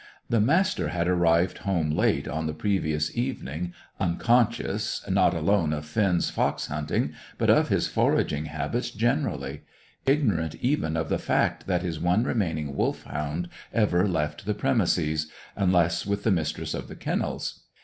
The Master had arrived home late on the previous evening, unconscious, not alone of Finn's fox hunting, but of his foraging habits generally; ignorant even of the fact that his one remaining Wolfhound ever left the premises, unless with the Mistress of the Kennels.